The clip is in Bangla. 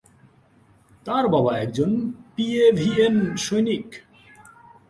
তার বাবা একজন পিএভিএন সৈনিক।